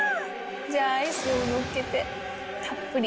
じゃあアイスをのっけてたっぷり。